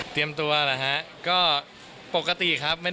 เตรียมตัวหรอฮะก็ปกติครับ